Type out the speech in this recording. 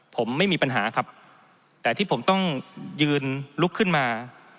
ผมไม่มีปัญหาครับแต่ที่ผมต้องยืนลุกขึ้นมา